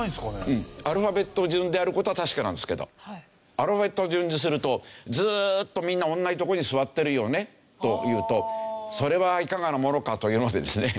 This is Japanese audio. うんアルファベット順である事は確かなんですけどアルファベット順にするとずっとみんな同じとこに座ってるよねというとそれはいかがなものかというのでですね